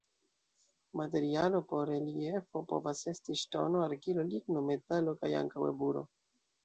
Materialo por reliefo povas esti ŝtono, argilo, ligno, metalo kaj ankaŭ eburo.